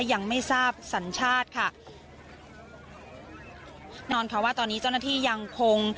ยังไม่ทราบสัญชาติค่ะนอนค่ะว่าตอนนี้เจ้าหน้าที่ยังคง